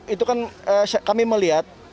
itu kan kami melihat